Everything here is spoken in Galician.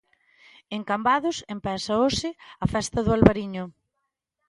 En Cambados empeza hoxe a Festa do Albariño.